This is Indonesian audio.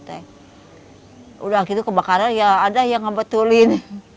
udah gitu kebakaran ya ada yang ngebetulin